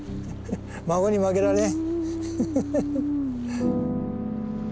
孫に負けられん！